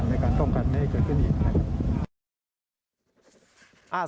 ในการป้องกันไม่ให้เกิดขึ้นอีกนะครับ